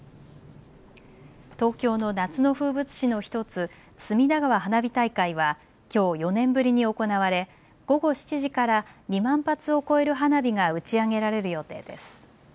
東京の夏の風物詩の１つ、隅田川花火大会はきょう４年ぶりに行われ午後７時から２万発を超える花火が打ち上げられる予定です。